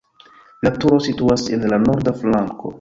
La turo situas en la norda flanko.